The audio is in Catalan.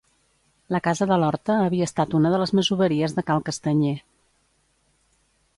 La casa de l'Horta havia estat una de les masoveries de Cal Castanyer.